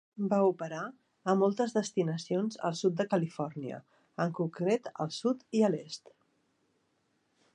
Va operar a moltes destinacions al sud de Califòrnia, en concret al sud i a l'est.